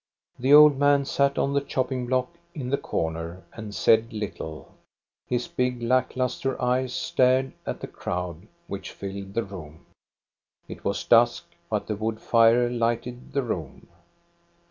The old man sat on the chopping block in the corner and said little. His big lack lustre eyes stared at the crowd which filled the room. It was dusk, but the wood fire lighted the room.